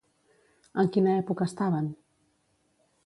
En quina època estaven?